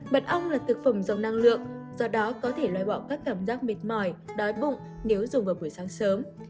mật ong là thực phẩm dầu năng lượng do đó có thể loại bỏ các cảm giác mệt mỏi đói bụng nếu dùng vào buổi sáng sớm